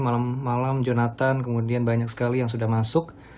malam malam jonathan kemudian banyak sekali yang sudah masuk